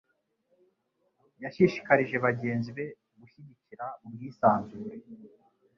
yashishikarije bagenzi be gushyigikira ubwisanzure